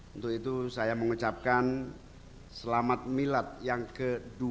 untuk itu saya mengucapkan selamat milad yang ke dua puluh